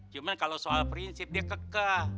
cuma kalau soal prinsip dia kekeh